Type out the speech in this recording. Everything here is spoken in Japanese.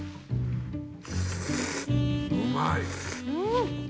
うまい！ん！